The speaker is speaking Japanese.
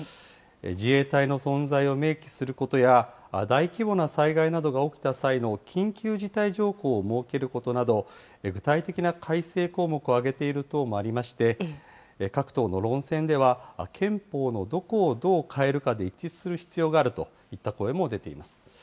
自衛隊の存在を明記することや、大規模な災害などが起きた際の緊急事態条項を設けることなど、具体的な改正項目を挙げている党もありまして、各党の論戦では憲法のどこをどう変えるかで一致する必要があるといった声も出ています。